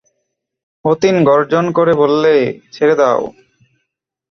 অতীন গর্জন করে বললে, ছেড়ে দাও।